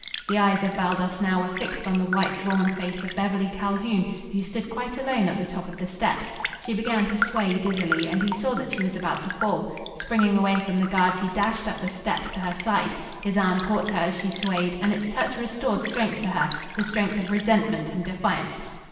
The eyes of Baldos now were fixed on the white, drawn face of Beverly Calhoun, who stood quite alone at the top of the steps. She began to sway dizzily and he saw that she was about to fall. Springing away from the guards, he dashed up the steps to her side. His arm caught her as she swayed, and its touch restored strength to her the strength of resentment and defiance.